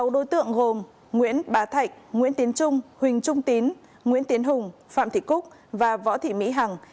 sáu đối tượng gồm nguyễn bá thạch nguyễn tiến trung huỳnh trung tín nguyễn tiến hùng phạm thị cúc và võ thị mỹ hằng